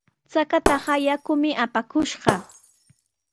Chataqa yakumi apakushqa.